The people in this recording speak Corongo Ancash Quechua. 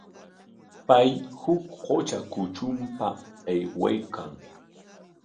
Pay huk qutra kutrunpa aywaykan.